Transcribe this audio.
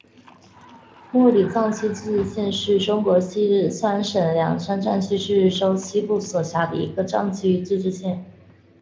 木里藏族自治县是中国四川省凉山彝族自治州西部所辖的一个藏族自治县。